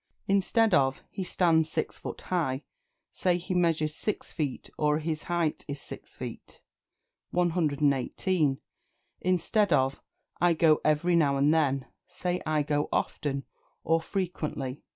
Instead of "He stands six foot high," say "He measures six feet," or "His height is six feet." 118. Instead of "I go every now and then," say "I go often, or frequently."